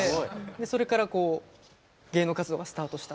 それからこう芸能活動がスタートしたっていう。